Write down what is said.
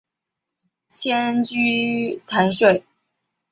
迁居蕲水。